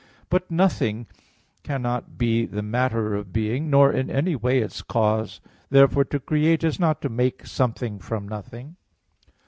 But "nothing" cannot be the matter of being, nor in any way its cause. Therefore to create is not to make something from nothing.